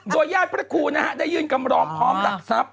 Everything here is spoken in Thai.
โดยญาติพระครูนะฮะได้ยื่นคำร้องพร้อมหลักทรัพย